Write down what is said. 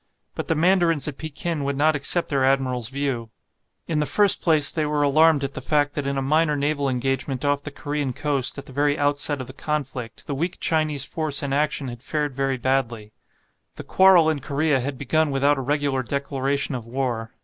But the mandarins at Pekin would not accept their admiral's view. In the first place they were alarmed at the fact that in a minor naval engagement off the Korean coast, at the very outset of the conflict, the weak Chinese force in action had fared very badly. The quarrel in Korea had begun without a regular declaration of war.